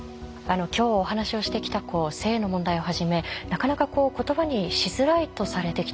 今日お話をしてきた性の問題をはじめなかなか言葉にしづらいとされてきた問題。